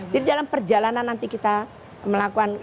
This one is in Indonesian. jadi dalam perjalanan nanti kita melakukan